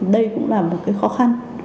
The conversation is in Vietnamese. đây cũng là một cái khó khăn